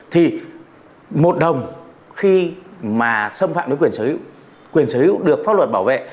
thì một đồng khi mà xâm phạm đến quyền sở hữu quyền sở hữu được pháp luật bảo vệ